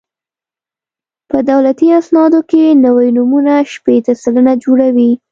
په دولتي اسنادو کې نوي نومونه شپېته سلنه جوړوي